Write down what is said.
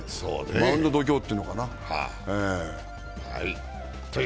マウンド度胸というのかな。